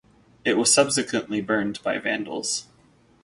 It was subsequently burned by vandals.